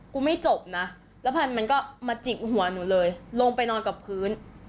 ไม่จบนะแล้วพันธุ์มันก็มาจิกหัวหนูเลยลงไปนอนกับพื้น